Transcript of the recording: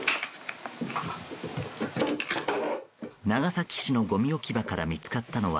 長崎市のごみ置き場から見つかったのは